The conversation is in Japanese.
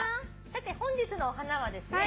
さて本日のお花はですね